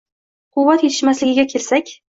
Quvvat etishmasligiga kelsak